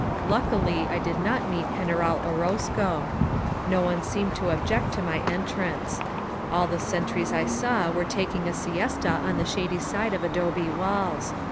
Luckily, I did not meet General Orozeo. No one seemed to object to my entrance. All the sen tries I saw were taking a siesta on the shady side of adobe walls.